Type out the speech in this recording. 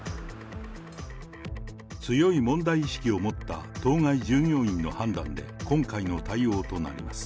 強い問題意識を持った当該従業員の判断で、今回の対応となります。